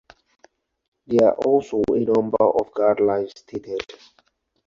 There are also a number of guidelines stated.